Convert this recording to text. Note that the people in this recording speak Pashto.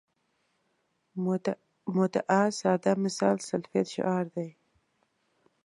مدعا ساده مثال سلفیت شعار دی.